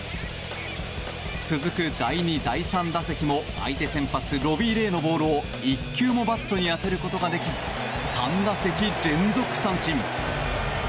続く第２、第３打席も相手先発ロビー・レイのボールを１球もバットに当てることができず３打席連続三振。